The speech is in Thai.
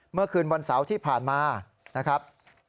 เมื่อคืนวันเสาร์ที่ผ่านมานะครับ